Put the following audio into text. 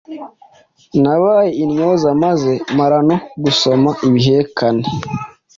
nabaye intyoza maze mara no gusoma ibihekane